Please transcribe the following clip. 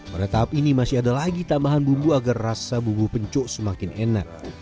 pada tahap ini masih ada lagi tambahan bumbu agar rasa bumbu pencok semakin enak